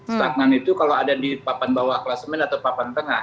stagnan itu kalau ada di papan bawah klasemen atau papan tengah